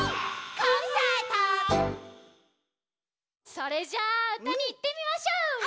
それじゃあうたにいってみましょう！